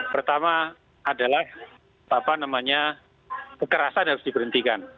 pertama adalah apa namanya kekerasan harus diberhentikan